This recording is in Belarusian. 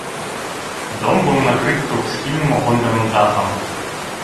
Дом быў накрыты двухсхільным гонтавым дахам.